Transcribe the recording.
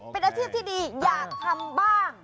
เป็นอาชีพที่ดีอยากทำบ้าง